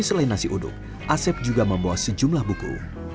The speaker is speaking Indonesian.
selain nasi uduk asep juga membawa sejumlah buku